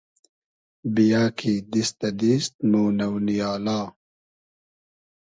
بییۂ کی دیست دۂ دیست مۉ نۆ نییالا